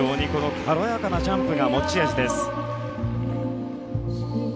軽やかなジャンプが持ち味です。